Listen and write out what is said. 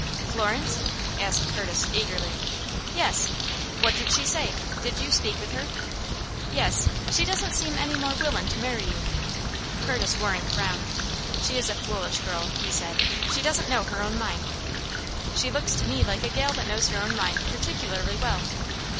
"Florence?" asked Curtis, eagerly. "Yes." "What did she say? Did you speak with her?" "Yes. She doesn't seem any more willin' to marry you." Curtis Waring frowned. "She is a foolish girl," he said. "She doesn't know her own mind." "She looks to me like a gal that knows her own mind particularly well."